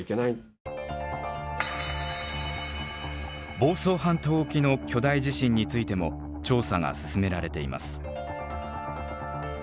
房総半島沖の巨大地震についても調査が進められています。